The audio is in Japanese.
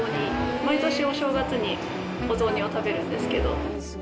毎年、お正月にお雑煮を食べるんですけど。